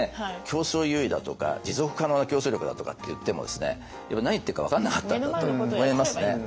競争優位だとか持続可能な競争力だとかって言っても何言ってるか分からなかったんだと思いますね。